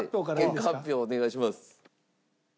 結果発表お願いします。